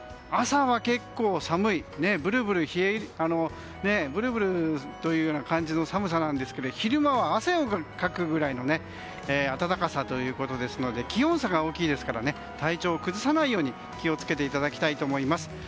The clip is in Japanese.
朝は結構寒いブルブルという感じの寒さなんですけど昼間は汗をかくくらいの暖かさということですので気温差が大きいですから体調を崩さないように気を付けていただきたいと思います。